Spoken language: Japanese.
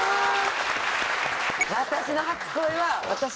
私の初恋は私。